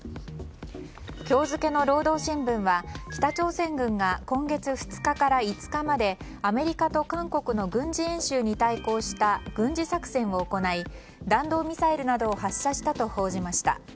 今日付の労働新聞は北朝鮮軍が今月２日から５日までアメリカと韓国の軍事演習に対抗した軍事作戦を行い弾道ミサイルなどを発射したと伝えました。